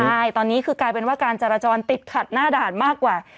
ใช่ตอนนี้คือกลายเป็นว่าการจราจรติดขัดหน้าด่านมากกว่า